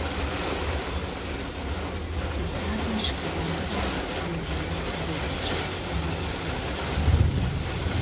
Pisarniška barva je bila dolgočasnega odtenka.